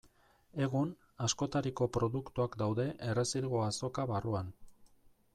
Egun, askotariko produktuak daude Errezilgo Azoka barruan.